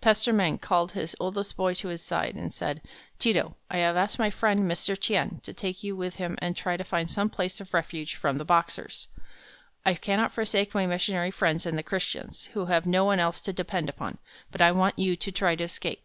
Pastor Meng called his oldest boy to his side, and said: "Ti to, I have asked my friend, Mr. Tien to take you with him and try to find some place of refuge from the Boxers. I cannot forsake my missionary friends and the Christians, who have no one else to depend upon, but I want you to try to escape."